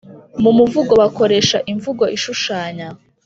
mu muvugo bakoresha imvugo ishushanya,